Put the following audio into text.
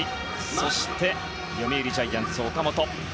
そして読売ジャイアンツ、岡本。